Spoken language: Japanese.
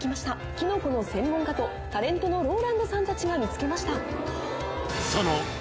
きのこの専門家とタレントのＲＯＬＡＮＤさんたちが見つけました。